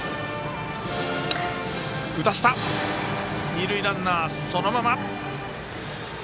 二塁ランナーそのまま。